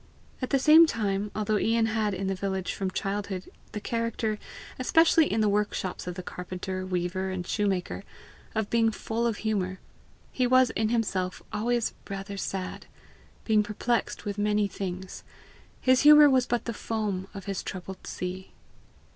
At the same time, although Ian had in the village from childhood the character, especially in the workshops of the carpenter, weaver, and shoemaker, of being 'full of humour, he was in himself always rather sad, being perplexed with many things: his humour was but the foam of his troubled sea.